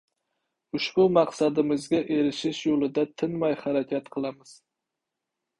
Ushbu maqsadimizga erishish yo‘lida tinmay harakat qilamiz.